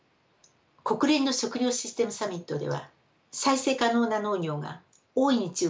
国連の食料システムサミットでは再生可能な農業が大いに注目されました。